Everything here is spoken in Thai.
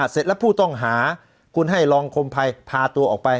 เสร็จแล้วผู้ต้องหาคุณให้รองคมภัยพาตัวออกไป